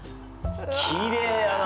きれいやな！